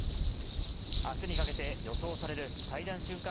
あすにかけて予想される最大瞬間